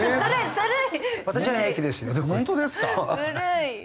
ずるい！